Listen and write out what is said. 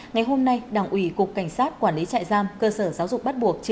ngày hôm nay đảng ủy cục cảnh sát quản lý trại giam cơ sở giáo dục bắt buộc